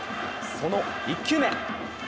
その１球目。